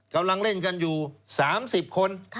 กำลังเล่นกันอยู่๓๐คน